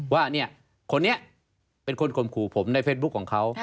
ว่าคนนี้เป็นคนข่มขู่ผมในเฟซบุ๊คของเขา